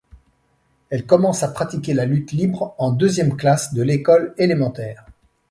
Elle commence à pratiquer la lutte libre en deuxième classe de l'école élémentaire.